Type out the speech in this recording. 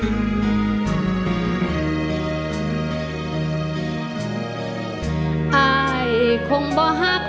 คิดว่านายแกน่ะนะครับ